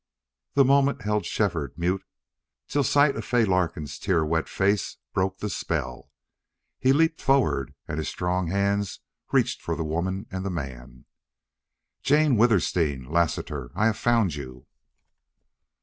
The moment held Shefford mute till sight of Fay Larkin's tear wet face broke the spell. He leaped forward and his strong hands reached for the woman and the man. "Jane Withersteen!... Lassiter! I have found you!"